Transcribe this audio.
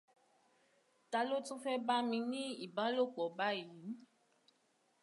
Ta ló tún fé bá mi ní ìbálòpọ̀ọ̀ báyìí?